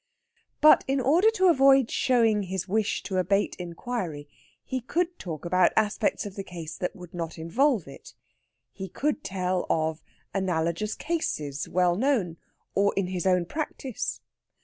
But in order to avoid showing his wish to abate inquiry, he could talk about aspects of the case that would not involve it. He could tell of analogous cases well known, or in his own practice.